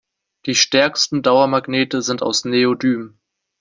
Die stärksten Dauermagnete sind aus Neodym.